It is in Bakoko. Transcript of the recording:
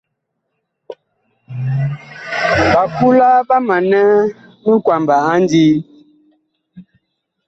Ɓakula ɓa manɛ minkwaba a ndii.